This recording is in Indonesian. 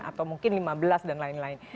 atau mungkin lima belas dan lain lain